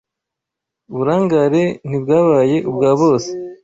Uburangare ntibwabaye ubwa bose